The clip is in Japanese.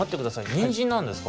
にんじんなんですか？